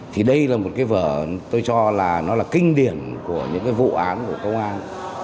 thì đây là một cái vở tôi cho là nó là kinh điển của những cái vụ án của công an